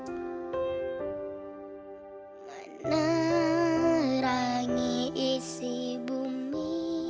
menerangi isi bumi